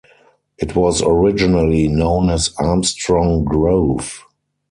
It was originally known as Armstrong Grove.